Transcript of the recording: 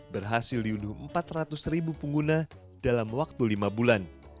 berhasil diunduh empat ratus ribu pengguna dalam waktu lima bulan